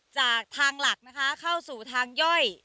จากทางหลักนะคะเข้าสู่ทางย่อย